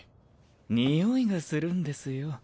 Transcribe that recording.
匂いがするんですよ